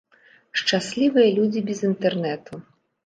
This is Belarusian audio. Шчаслівыя людзі без інтэрнэту!